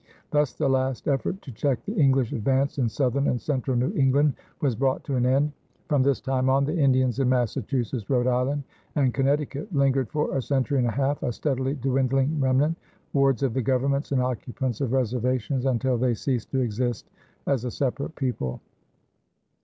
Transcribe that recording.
Thus the last effort to check the English advance in southern and central New England was brought to an end. From this time on, the Indians in Massachusetts, Rhode Island, and Connecticut lingered for a century and a half, a steadily dwindling remnant, wards of the governments and occupants of reservations, until they ceased to exist as a separate people.